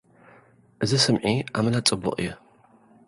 እዚ ስምዒ ኣመና ጽቡቕ እዩ።